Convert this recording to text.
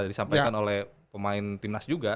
disampaikan oleh pemain timnas juga